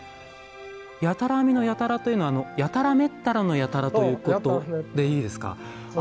やたら編みの「やたら」というのは「やたらめったら」の「やたら」ということでいいですか。